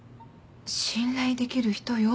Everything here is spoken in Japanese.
信頼できる人よ。